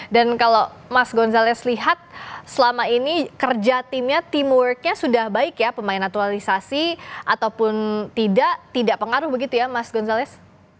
dan kalau mas gonzalez lihat selama ini kerja timnya teamworknya sudah baik ya pemain naturalisasi ataupun tidak tidak pengaruh begitu ya mas gonzalez